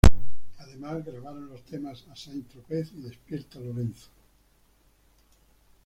Además grabaron los temas "A Saint Tropez" y "Despierta Lorenzo".